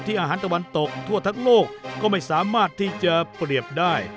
อาหารตะวันตกทั่วทั้งโลกก็ไม่สามารถที่จะเปรียบได้